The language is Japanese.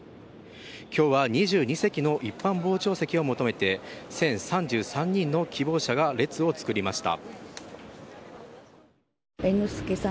今日は２２席の一般傍聴席を求めて１０３３人の希望者が列を作りました。